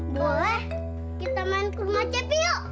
boleh kita main ke rumah cepi yuk